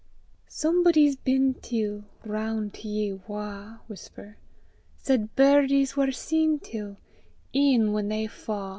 Somebody's been till Roun to ye wha (whisper) Said birdies war seen till E'en whan they fa'!